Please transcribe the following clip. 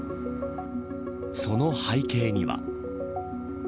その背景には。